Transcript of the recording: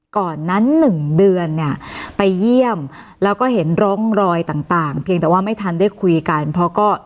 ก่อนนั้นหนึ่งเดือนเนี่ยไปเยี่ยมแล้วก็เห็นร่องรอยต่างเพียงแต่ว่าไม่ทันได้คุยกันเพราะก็